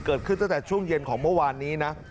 เกิดขึ้นตั้งแต่ช่วงเย็นของเมื่อวานนี้นะ